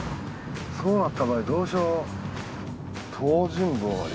そうなった場合どうしよう。